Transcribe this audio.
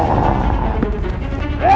tidak ada yang bisa membatalkan